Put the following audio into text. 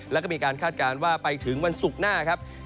แล้วก็มีการคาดการณ์ว่าไปถึงวันศุกร์หน้าครับ